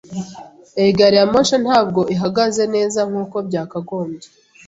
Iyi gariyamoshi ntabwo ihagaze neza nkuko byakagombye.